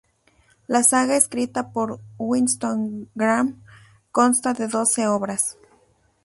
La saga escrita por Winston Graham consta de doce obras.